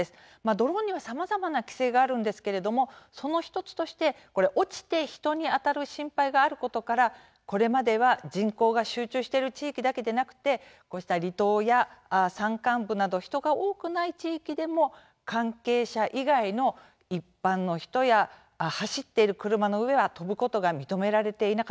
ドローンには、さまざまな規制があるんですけどもその１つとして、これ落ちて人に当たる心配があることからこれまでは人口が集中している地域だけでなくてこうした離島や山間部など人が多くない地域でも関係者以外の、一般の人や走っている車の上は飛ぶことが認められていなかったんですね。